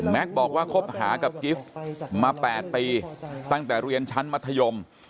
บอกว่าคบหากับกิฟต์มา๘ปีตั้งแต่เรียนชั้นมัธยม